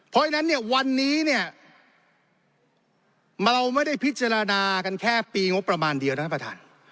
เพราะฉะนั้นเนี่ยวันนี้เนี่ยเราไม่ได้พิจารณากันแค่ปีงบประมาณเดียวนะท่านประธาน